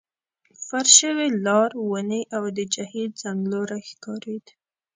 فرش شوي لار، ونې، او د جهیل څنګلوری ښکارېد.